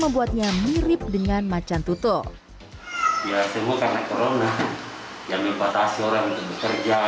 membuatnya mirip dengan macan tutup ya semua karena corona yang membatasi orang bekerja